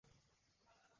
ও লড়তে চায় না।